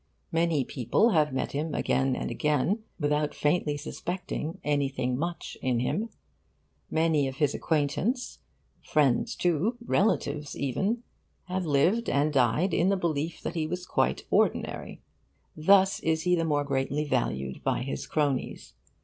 Many people have met him again and again without faintly suspecting 'anything much' in him. Many of his acquaintances friends, too relatives, even have lived and died in the belief that he was quite ordinary. Thus is he the more greatly valued by his cronies.